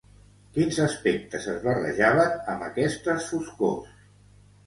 Quins aspectes es barrejaven amb aquestes foscors?